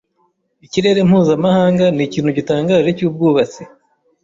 Ikirere mpuzamahanga nikintu gitangaje cyubwubatsi.